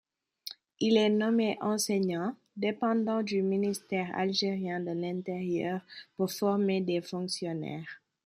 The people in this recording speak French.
Il est nommé enseignant, dépendant du ministère algérien de l'Intérieur, pour former des fonctionnaires.